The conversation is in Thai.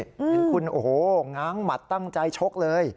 เห็นคุณโอ้โหง้างหมัดตั้งใจชกเลย